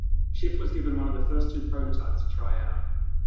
Schiff was given one of the first two prototypes to try out.